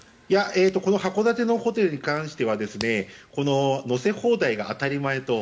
函館のホテルに関しては乗せ放題が当たり前と。